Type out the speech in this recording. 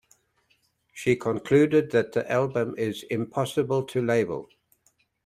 She concluded that the album is "impossible to label".